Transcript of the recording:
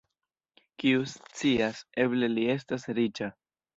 Kiu scias, eble li estas riĉa!